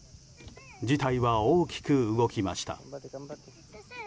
事態は大きく動きました。